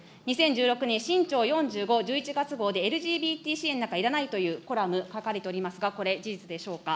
２０１６年しんちょう４５１１月号で、ＬＧＢＴ支援なんかいらないというコラム、書かれておりますが、これ、事実でしょうか。